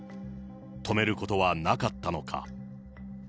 止めることはなかったのか。